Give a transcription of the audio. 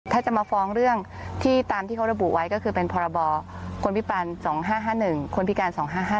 ถ้าจะมาฟ้องเรื่องที่ตามที่เขาระบุไว้ก็คือเป็นพรบคนพิปัน๒๕๕๑คนพิการ๒๕๕